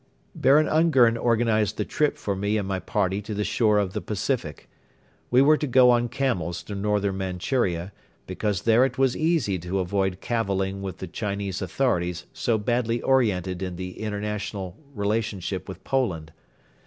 Baron Ungern organized the trip for me and my party to the shore of the Pacific. We were to go on camels to northern Manchuria, because there it was easy to avoid cavilling with the Chinese authorities so badly oriented in the international relationship with Poland.